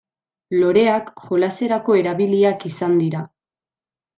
Loreak jolaserako erabiliak izan dira.